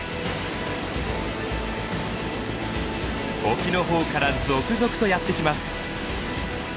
沖の方から続々とやって来ます。